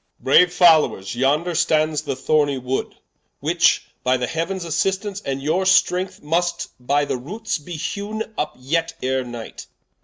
Edw. Braue followers, yonder stands the thornie Wood, Which by the Heauens assistance, and your strength, Must by the Roots be hew'ne vp yet ere Night.